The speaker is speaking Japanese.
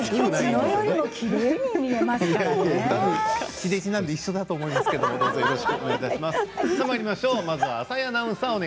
地デジだから一緒だと思いますけれどもよろしくお願いします。